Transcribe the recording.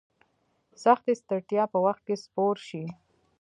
سختي ستړیا په وخت کې سپور شي.